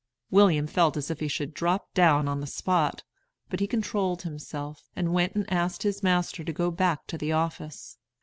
William felt as if he should drop down on the spot; but he controlled himself, and went and asked his master to go back to the office.